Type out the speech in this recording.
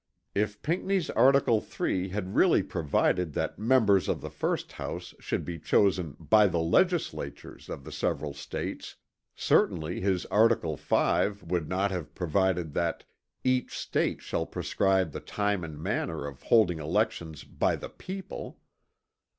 "" If Pinckney's article 3 had really provided that members of the first house should be chosen by the legislatures of the several States, certainly his article 5 would not have provided that "each State shall prescribe the time and manner of holding elections by the people."